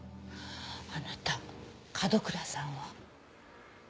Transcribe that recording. あなた角倉さんは？